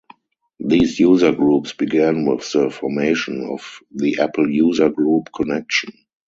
These user groups began with the formation of the Apple User Group Connection.